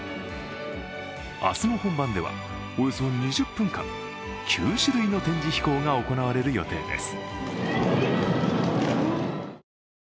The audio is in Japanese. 明日の本番ではおよそ２０分間、９種類の展示飛行が行われる予定です。